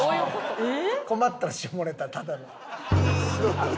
困ったら下ネタただの。